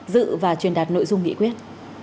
dự và truyền đạt nội dung nghị quyết